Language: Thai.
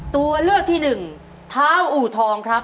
ตัวเลือกที่หนึ่งเท้าอู่ทองครับ